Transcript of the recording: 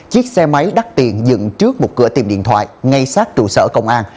chiếc xe máy đắt tiền dựng trước một cửa tiệm điện thoại ngay sát trụ sở công an